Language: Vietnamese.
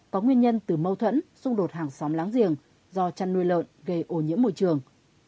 có nguyên nhân từ mâu thuẫn xung đột hàng xóm láng giềng do chăn nuôi lợn gây ổ nhiễm môi trường